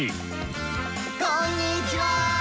「こんにちは！」。